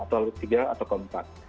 atau ketiga atau keempat